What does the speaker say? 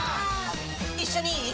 一緒にいい？